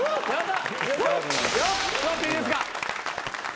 座っていいですか？